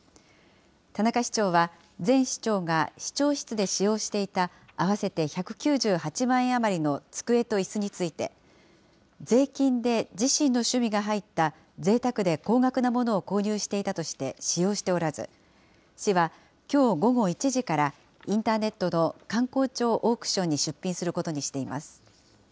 田中市長は、前市長が市長室で使用していた合わせて１９８万円余りの机といすについて、税金で自身の趣味が入ったぜいたくで高額なものを購入していたとして、使用しておらず、市はきょう午後１時から、インターネットの官公庁オークションに出品することにしています。